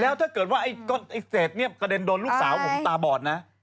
แล้วถ้าเกิดว่าไอ้เศษเนี่ยกระเด็นโดนลูกสาวผมตาบอดนะ